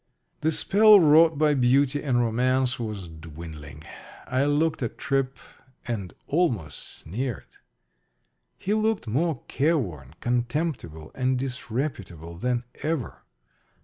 The spell wrought by beauty and romance was dwindling. I looked at Tripp and almost sneered. He looked more careworn, contemptible, and disreputable than ever.